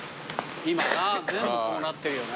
今な全部こうなってるよね。